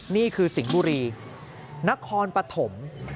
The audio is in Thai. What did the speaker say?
นี่คือสิงห์บุรีนครปฐม